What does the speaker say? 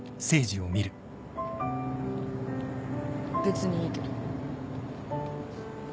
別にいいけど。